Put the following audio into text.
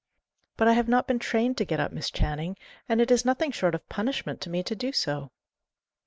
"But I have not been trained to get up, Miss Channing; and it is nothing short of punishment to me to do so."